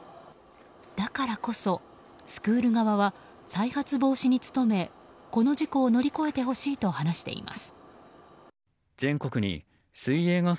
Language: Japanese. だからこそ、スクール側は再発防止に努めこの事故を乗り越えてほしいと話しています。